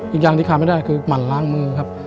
อีกอย่างที่ขาดไม่ได้คือหมั่นล้างมือครับ